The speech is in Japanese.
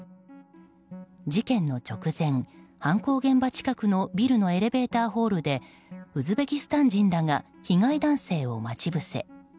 事件の直前犯行現場近くのビルのエレベーターホールでウズベキスタン人らが被害男性を待ち伏せ。